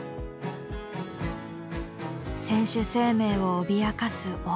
選手生命を脅かす大けが。